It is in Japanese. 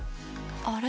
あれ？